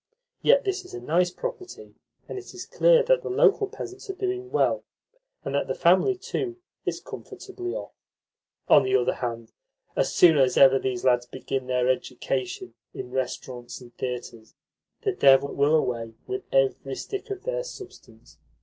Yet this is a nice property, and it is clear that the local peasants are doing well, and that the family, too, is comfortably off. On the other hand, as soon as ever these lads begin their education in restaurants and theatres, the devil will away with every stick of their substance.